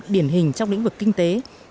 một mươi bốn điển hình trong lĩnh vực kinh tế